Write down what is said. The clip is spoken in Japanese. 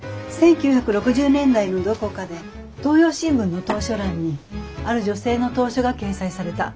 １９６０年代のどこかで東洋新聞の投書欄にある女性の投書が掲載された。